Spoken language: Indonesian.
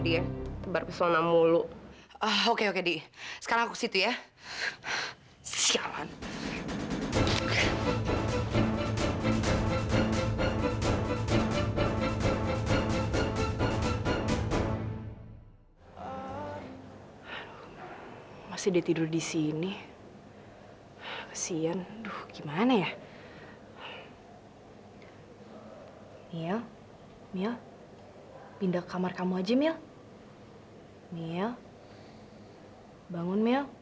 dia itu mau ngodain kamu